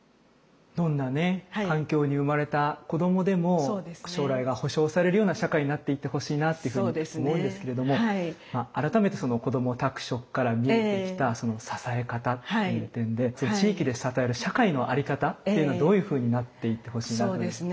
どんなね環境に生まれた子どもでも将来が保証されるような社会になっていってほしいなっていうふうに思うんですけれども改めてこども宅食から見えてきた支え方っていう点で地域で支える社会のあり方っていうのはどういうふうになっていってほしいなと。